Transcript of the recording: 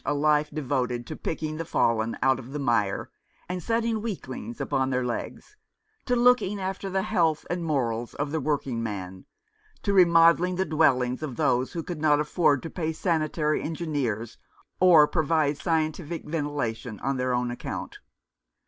a life devoted to picking the fallen out of the mire, and setting weaklings upon their legs, to looking after the health and morals of the working man, to remodelling the dwellings of those who could not afford to pay sanitary engineers or provide scientific ventilation on their own account.